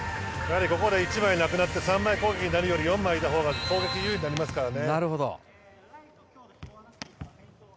ここで１枚なくなって３枚攻撃になるより４枚いたほうが攻撃優位になりますからね。